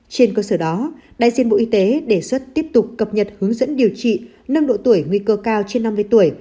trên cơ sở đó đại diện bộ y tế đề xuất tiếp tục cập nhật hướng dẫn điều trị nâng độ tuổi nguy cơ cao trên năm mươi tuổi